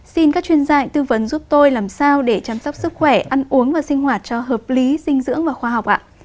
xin các chuyên gia tư vấn giúp tôi làm sao để chăm sóc sức khỏe ăn uống và sinh hoạt cho hợp lý dinh dưỡng và khoa học ạ